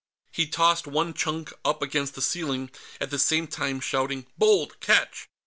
He tossed one chunk up against the ceiling, at the same time shouting: "Bold! Catch!"